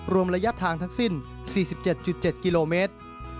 รวมระยะทางทั้งสิ้น๔๗๗กิโลเมตร